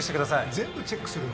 全部チェックするの？